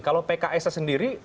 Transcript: kalau pks nya sendiri